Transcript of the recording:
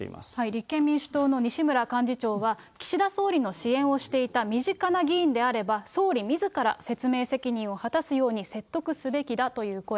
立憲民主党の西村幹事長は、岸田総理の支援をしていた身近な議員であれば、総理みずから説明責任を果たすように説得すべきだという声。